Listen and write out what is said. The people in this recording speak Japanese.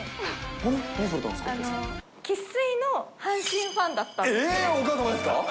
生粋の阪神ファンだったんですよ。